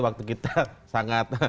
waktu kita sangat